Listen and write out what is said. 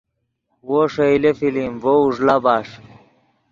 وو ݰئیلے فلم ڤؤ اوݱڑا بݰ